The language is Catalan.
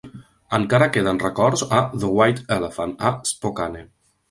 Encara queden records a The White Elephant, a Spokane.